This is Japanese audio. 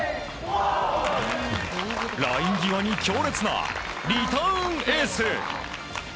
ライン際に強烈なリターンエース！